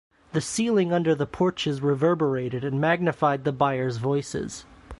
The ceiling under the porches reverberated and magnified the buyers’ voices.